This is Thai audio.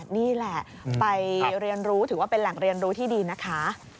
นี่แหละไปเรียนรู้ถือว่าเป็นแหล่งเรียนรู้ที่ดีนะคะ